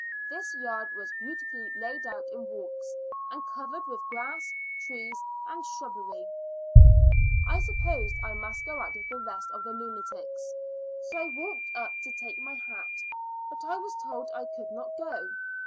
This yard was beautifully laid out in walks, and covered with grass, trees, and shrubbery. I supposed I must go out with the rest of the lunatics, so I walked up to take my hat, but I was told I could not go.